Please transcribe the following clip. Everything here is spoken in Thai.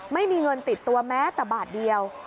ไม่มีเงินติดตัวแม้แต่บาทเดียว